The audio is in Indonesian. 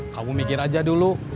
kamu mikir aja dulu